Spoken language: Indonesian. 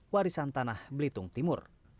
warisan tanah blitung timur